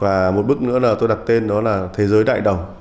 và một bức nữa là tôi đặt tên đó là thế giới đại đồng